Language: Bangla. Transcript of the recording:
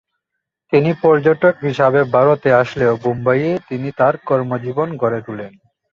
তিনি পর্যটক হিসেবে ভারতে আসলেও মুম্বাইয়ে তিনি তার কর্মজীবন গড়ে তোলেন।